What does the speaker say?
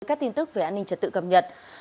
các tin tức về an ninh trật tự cập nhật